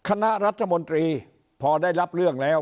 คณะรัฐมนตรีพอได้รับเรื่องแล้ว